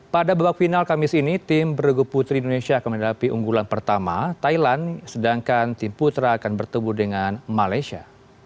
pada babak final kamis ini tim beregu putri indonesia akan menghadapi unggulan pertama thailand sedangkan tim putra akan bertemu dengan malaysia